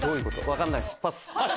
分かんないです。